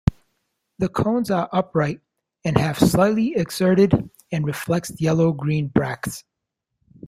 The cones are upright and have slightly exserted and reflexed yellow-green bracts.